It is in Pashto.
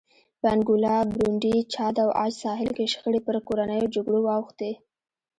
په انګولا، برونډي، چاد او عاج ساحل کې شخړې پر کورنیو جګړو واوښتې.